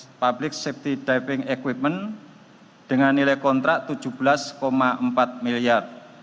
untuk public safety diving equipment dengan nilai kontrak rp tujuh belas empat miliar